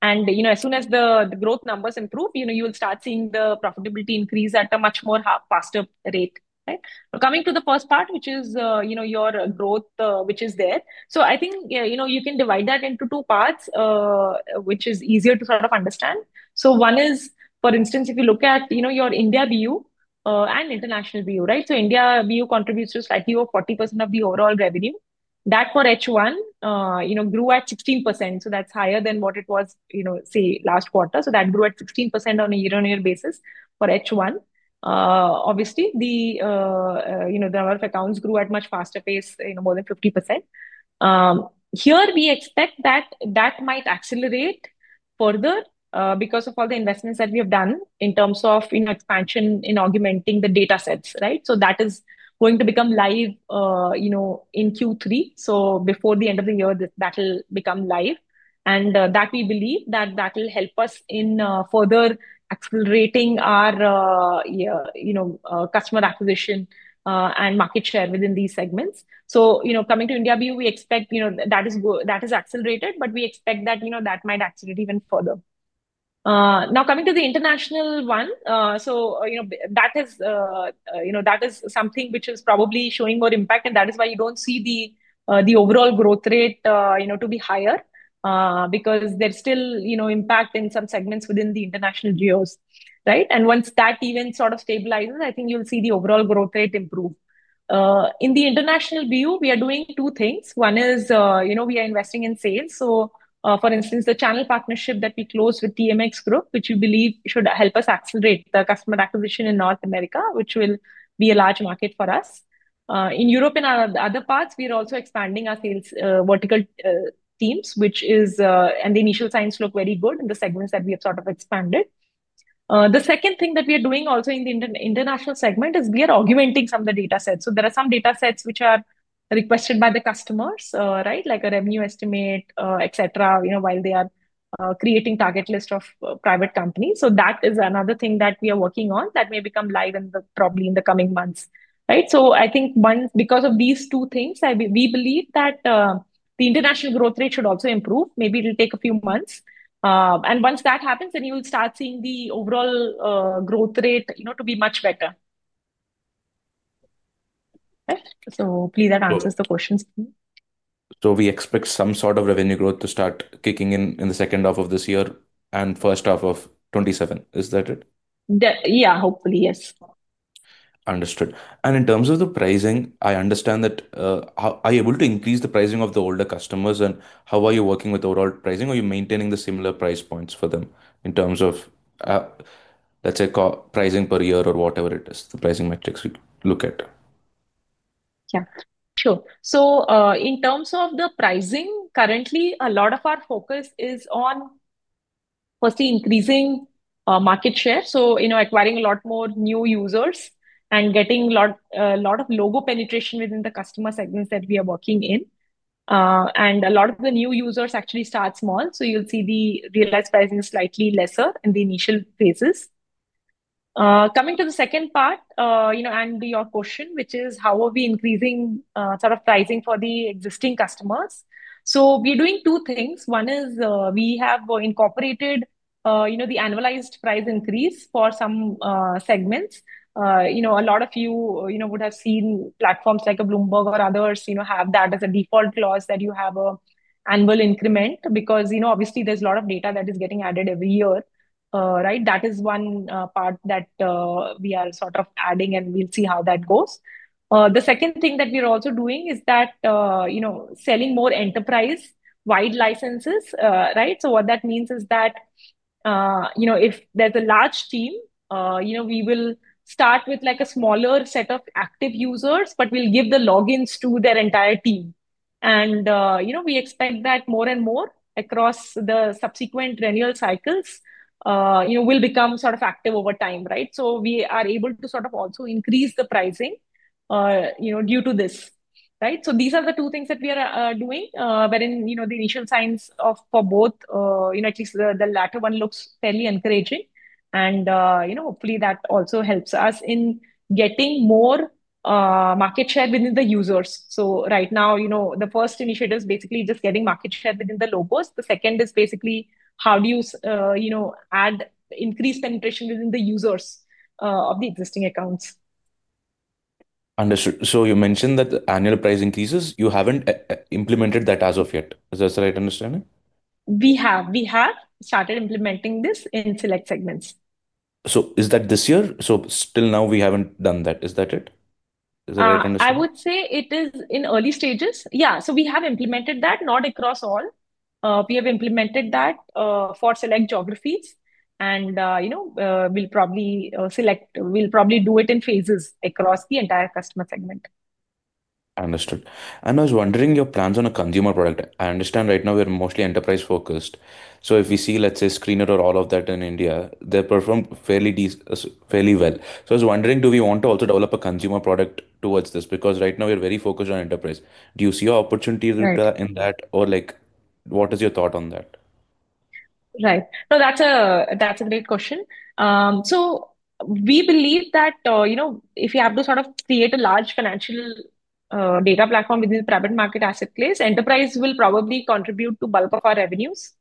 Speaker 2: As soon as the growth numbers improve, you will start seeing the profitability increase at a much faster rate, right? Coming to the first part, which is your growth, which is there. I think you can divide that into two parts, which is easier to sort of understand. One is, for instance, if you look at your India BU and international BU, right? India BU contributes to slightly over 40% of the overall revenue. That for H1 grew at 16%. That is higher than what it was, say, last quarter. That grew at 16% on a year-on-year basis for H1. Obviously, the number of accounts grew at a much faster pace, more than 50%. Here, we expect that might accelerate further because of all the investments that we have done in terms of expansion in augmenting the data sets, right? That is going to become live in Q3. Before the end of the year, that will become live. We believe that will help us in further accelerating our customer acquisition and market share within these segments. Coming to India BU, we expect that is accelerated, but we expect that might accelerate even further. Now coming to the international one, that is something which is probably showing more impact, and that is why you do not see the overall growth rate to be higher. There is still impact in some segments within the international geos, right? Once that even sort of stabilizes, I think you will see the overall growth rate improve. In the international BU, we are doing two things. One is we are investing in sales. For instance, the channel partnership that we closed with TMX Group, which we believe should help us accelerate the customer acquisition in North America, will be a large market for us. In Europe and other parts, we are also expanding our sales vertical teams, and the initial signs look very good in the segments that we have sort of expanded. The second thing that we are doing also in the international segment is we are augmenting some of the data sets. There are some data sets which are requested by the customers, like a revenue estimate, etc., while they are creating a target list of private companies. That is another thing that we are working on that may become live probably in the coming months. I think because of these two things, we believe that the international growth rate should also improve. Maybe it'll take a few months. Once that happens, you will start seeing the overall growth rate to be much better. Hopefully that answers the questions for me. We expect some sort of revenue growth to start kicking in in the second half of this year and first half of 2027. Is that it? Yeah, hopefully, yes. Understood. In terms of the pricing, I understand that. Are you able to increase the pricing of the older customers? How are you working with overall pricing? Are you maintaining the similar price points for them in terms of, let's say, pricing per year or whatever it is, the pricing metrics we look at? Yeah. Sure.In terms of the pricing, currently, a lot of our focus is on, firstly, increasing market share, so acquiring a lot more new users and getting a lot of logo penetration within the customer segments that we are working in. A lot of the new users actually start small, so you'll see the realized pricing is slightly lesser in the initial phases. Coming to the second part of your question, which is how are we increasing sort of pricing for the existing customers, we are doing two things. One is we have incorporated the annualized price increase for some segments. A lot of you would have seen platforms like Bloomberg or others have that as a default clause, that you have an annual increment because obviously there's a lot of data that is getting added every year, right? That is one part. We are sort of adding, and we'll see how that goes. The second thing that we are also doing is that selling more enterprise-wide licenses, right? What that means is that if there's a large team, we will start with a smaller set of active users, but we'll give the logins to their entire team. We expect that more and more across the subsequent renewal cycles will become sort of active over time, right? We are able to sort of also increase the pricing due to this, right? These are the two things that we are doing, wherein the initial signs for both, at least the latter one, look fairly encouraging. Hopefully that also helps us in getting more market share within the users. Right now, the first initiative is basically just getting market share within the logos. The second is basically how do you add increased penetration within the users of the existing accounts. Understood. You mentioned that annual price increases, you haven't implemented that as of yet. Is that the right understanding? We have. We have started implementing this in select segments. Is that this year? Till now we haven't done that. Is that the right understanding? I would say it is in early stages. Yeah. We have implemented that, not across all. We have implemented that for select geographies. We will probably do it in phases across the entire customer segment. Understood. I was wondering, your plans on a consumer product? I understand right now we're mostly enterprise-focused. If we see, let's say, Screener or all of that in India, they perform fairly well.I was wondering, do we want to also develop a consumer product towards this? Because right now we're very focused on enterprise. Do you see opportunities in that? Or what is your thought on that? Right. No, that's a great question. We believe that if we have to sort of create a large financial data platform within the private market asset place, enterprise will probably contribute to bulk of our revenues,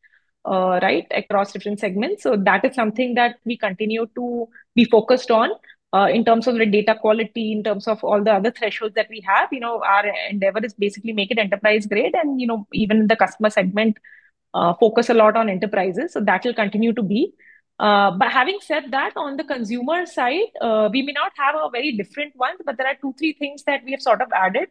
Speaker 2: right, across different segments. That is something that we continue to be focused on in terms of data quality, in terms of all the other thresholds that we have. Our endeavor is basically to make it enterprise-grade and even in the customer segment. Focus a lot on enterprises. That will continue to be. Having said that, on the consumer side, we may not have a very different one, but there are two, three things that we have sort of added.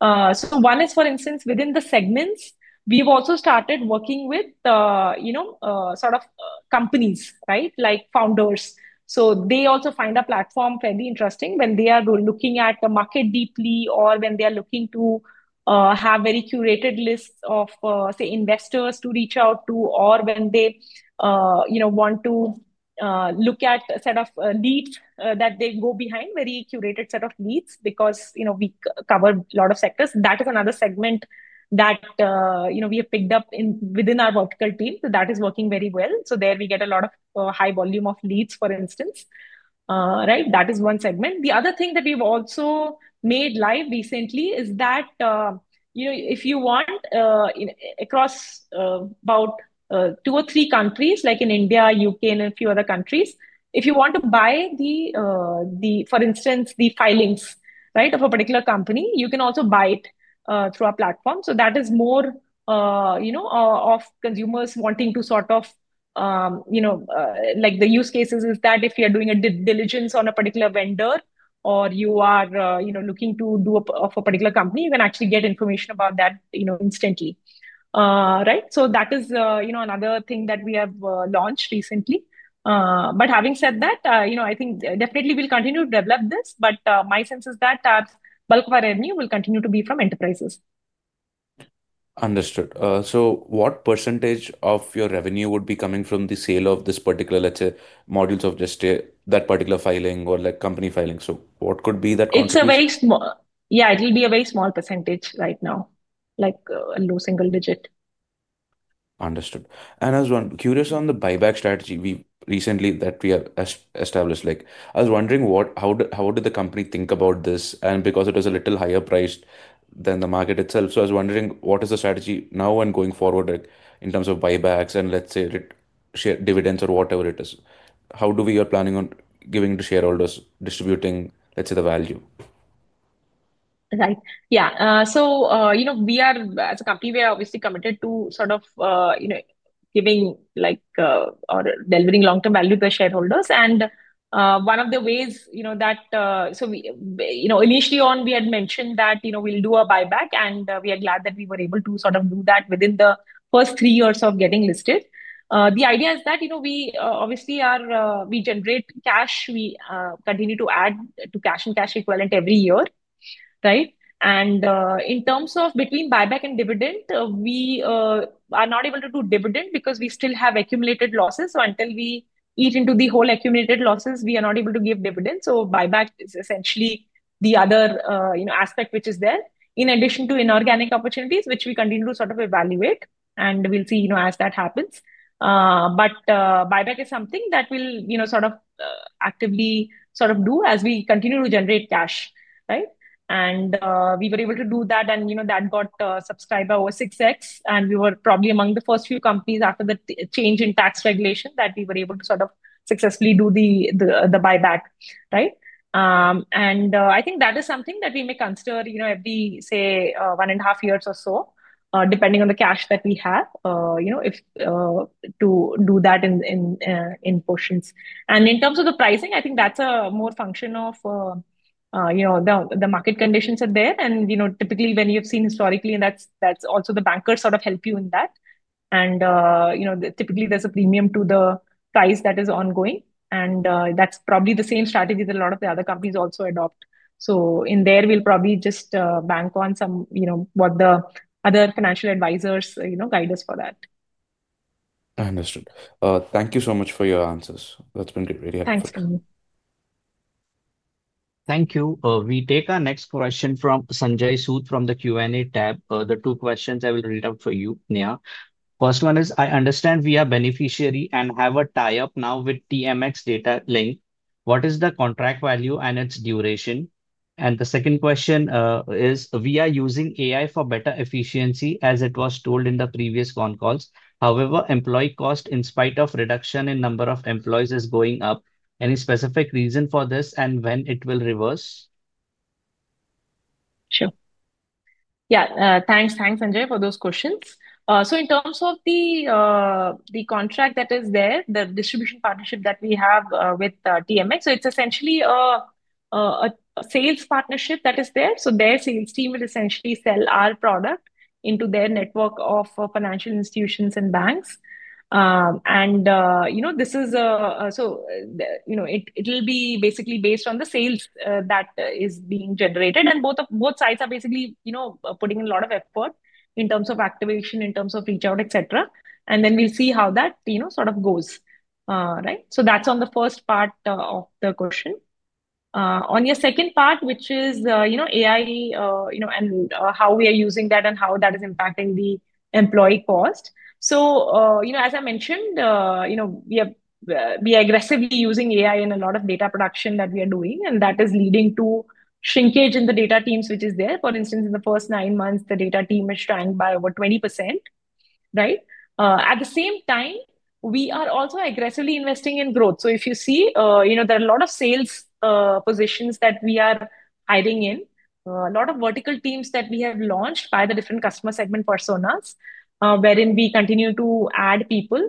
Speaker 2: One is, for instance, within the segments, we have also started working with sort of companies, right, like founders. They also find the platform fairly interesting when they are looking at the market deeply or when they are looking to have very curated lists of, say, investors to reach out to, or when they want to look at a set of leads that they go behind, a very curated set of leads because we cover a lot of sectors. That is another segment that we have picked up within our vertical team. That is working very well. There we get a lot of high volume of leads, for instance. That is one segment. The other thing that we've also made live recently is that if you want, across about two or three countries, like in India, U.K., and a few other countries, if you want to buy the, for instance, the filings, right, of a particular company, you can also buy it through our platform. That is more of consumers wanting to sort of, like the use cases is that if you're doing a diligence on a particular vendor or you are looking to do for a particular company, you can actually get information about that instantly, right? That is another thing that we have launched recently. Having said that, I think definitely we'll continue to develop this, but my sense is that bulk of our revenue will continue to be from enterprises. Understood. What percentage of your revenue would be coming from the sale of this particular, let's say, modules of just that particular filing or company filing? What could be that? It's a very small, yeah, it will be a very small percentage right now. Like a low single digit. Understood. I was curious on the buyback strategy recently that we have established. I was wondering how did the company think about this? Because it was a little higher priced than the market itself, I was wondering what is the strategy now and going forward in terms of buybacks and, let's say, dividends or whatever it is? How are we planning on giving to shareholders, distributing, let's say, the value? Right. Yeah. We are, as a company, obviously committed to sort of delivering long-term value to our shareholders. One of the ways that. Initially on, we had mentioned that we would do a buyback, and we are glad that we were able to sort of do that within the first three years of getting listed. The idea is that we obviously generate cash. We continue to add to cash and cash equivalent every year, right? In terms of between buyback and dividend, we are not able to do dividend because we still have accumulated losses. Until we eat into the whole accumulated losses, we are not able to give dividends. Buyback is essentially the other aspect which is there in addition to inorganic opportunities, which we continue to sort of evaluate. We will see as that happens. Buyback is something that we will sort of actively sort of do as we continue to generate cash, right? We were able to do that, and that got subscriber over 6x, and we were probably among the first few companies after the change in tax regulation that we were able to sort of successfully do the buyback, right? I think that is something that we may consider every, say, one and a half years or so, depending on the cash that we have, to do that in portions. In terms of the pricing, I think that's more a function of the market conditions that are there. Typically, when you've seen historically, and that's also the bankers sort of help you in that. Typically, there's a premium to the price that is ongoing, and that's probably the same strategy that a lot of the other companies also adopt. In there, we'll probably just bank on what the other financial advisors guide us for that. Understood. Thank you so much for your answers. That's been really helpful. Thanks.
Speaker 1: Thank you. We take our next question from Sanjay Sood from the Q&A tab. The two questions I will read out for you, Neha. First one is, I understand we are beneficiary and have a tie-up now with TMX Datalinx. What is the contract value and its duration? The second question is, we are using AI for better efficiency as it was told in the previous con calls. However, employee cost, in spite of reduction in number of employees, is going up. Any specific reason for this and when it will reverse? Sure.
Speaker 2: Yeah. Thanks, Sanjay, for those questions. In terms of the contract that is there, the distribution partnership that we have with TMX, it is essentially a sales partnership that is there. Their sales team will essentially sell our product into their network of financial institutions and banks. This is a, it will be basically based on the sales that is being generated. Both sides are basically putting in a lot of effort in terms of activation, in terms of reach-out, etc. We will see how that sort of goes, right? That is on the first part of the question. On your second part, which is AI and how we are using that and how that is impacting the employee cost. As I mentioned, we are aggressively using AI in a lot of data production that we are doing, and that is leading to shrinkage in the data teams, which is there. For instance, in the first nine months, the data team has shrunk by over 20%, right? At the same time, we are also aggressively investing in growth. If you see, there are a lot of sales positions that we are adding in, a lot of vertical teams that we have launched by the different customer segment personas, wherein we continue to add people.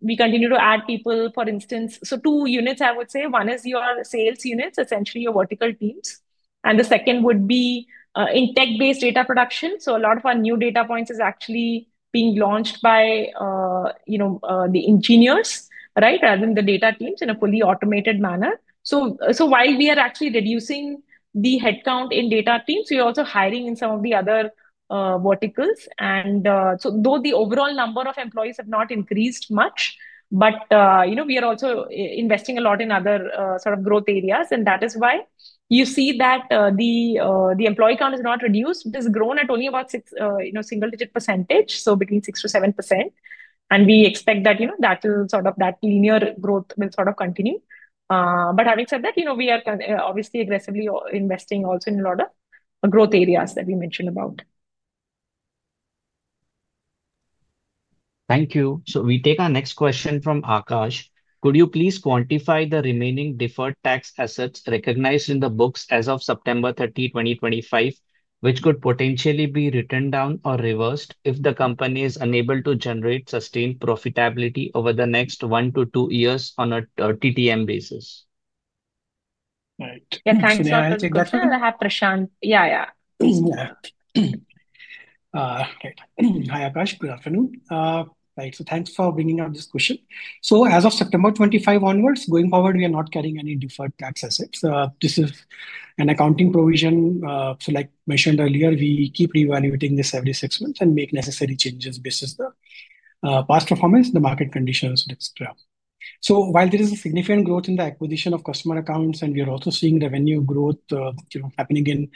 Speaker 2: We continue to add people, for instance. Two units, I would say. One is your sales units, essentially your vertical teams. The second would be in tech-based data production. A lot of our new data points is actually being launched by the engineers, right, rather than the data teams in a fully automated manner. While we are actually reducing the headcount in data teams, we are also hiring in some of the other verticals. Though the overall number of employees have not increased much, we are also investing a lot in other sort of growth areas. That is why you see that the employee count is not reduced. It has grown at only about single-digit percentage, so between 6%-7%. We expect that that sort of linear growth will sort of continue. Having said that, we are obviously aggressively investing also in a lot of growth areas that we mentioned about.
Speaker 1: Thank you. We take our next question from Akash. Could you please quantify the remaining deferred tax assets recognized in the books as of September 30, 2025, which could potentially be written down or reversed if the company is unable to generate sustained profitability over the next one to two years on a TTM basis?
Speaker 2: Right. Yeah. Thanks. I think I have Prashant. Yeah, yeah.
Speaker 3: Okay. Hi, Akash. Good afternoon. Right. Thanks for bringing up this question. As of September 25 onwards, going forward, we are not carrying any deferred tax assets. This is an accounting provision. Like mentioned earlier, we keep reevaluating this every six months and make necessary changes based on the past performance, the market conditions, etc. While there is significant growth in the acquisition of customer accounts, and we are also seeing revenue growth happening in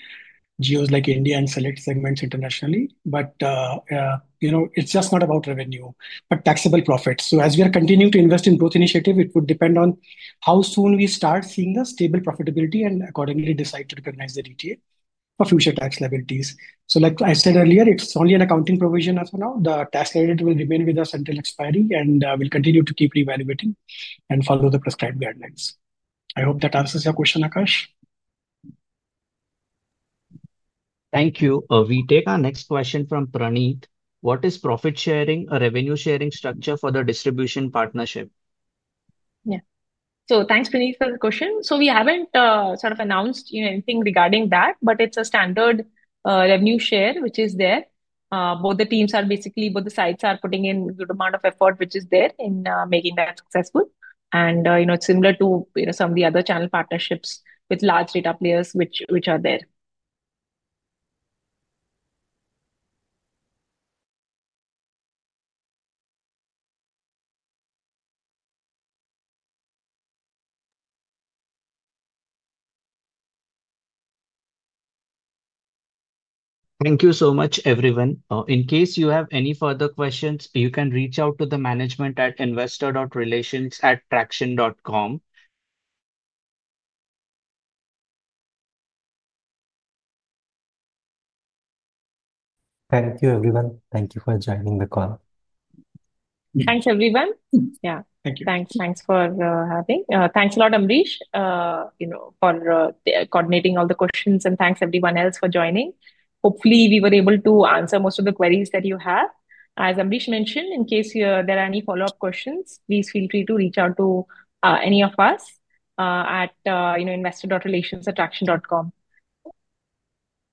Speaker 3: geos like India and select segments internationally, it is just not about revenue, but taxable profits. As we are continuing to invest in growth initiative, it would depend on how soon we start seeing the stable profitability and accordingly decide to recognize the detail for future tax liabilities. Like I said earlier, it is only an accounting provision as of now. The tax credit will remain with us until expiry, and we'll continue to keep reevaluating and follow the prescribed guidelines. I hope that answers your question, Akash.
Speaker 1: Thank you. We take our next question from Praneet. What is profit sharing or revenue sharing structure for the distribution partnership?
Speaker 2: Yeah. So thanks, Praneet, for the question. We haven't sort of announced anything regarding that, but it's a standard revenue share, which is there. Both the teams are basically, both the sides are putting in the amount of effort, which is there in making that successful. It's similar to some of the other channel partnerships with large data players which are there.
Speaker 1: Thank you so much, everyone. In case you have any further questions, you can reach out to the management at investor.relations@tracxn.com.
Speaker 3: Thank you, everyone. Thank you for joining the call.
Speaker 2: Thanks, everyone. Yeah. Thank you. Thanks. Thanks for having. Thanks a lot, Ambrish, for coordinating all the questions, and thanks everyone else for joining. Hopefully, we were able to answer most of the queries that you have. As Ambrish mentioned, in case there are any follow-up questions, please feel free to reach out to any of us at investor.relations@tracxn.com.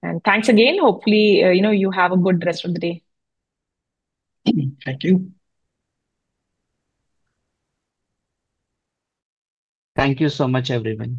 Speaker 2: And thanks again. Hopefully, you have a good rest of the day.
Speaker 1: Thank you.
Speaker 3: Thank you so much, everyone.